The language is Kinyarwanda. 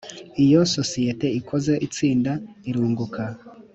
Iyo sosiyete ikoze itsinda irunguka